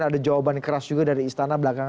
bahwa mereka misalnya bergabung